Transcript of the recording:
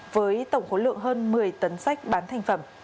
với tổng khối lượng hơn một mươi tấn sách bán thành phẩm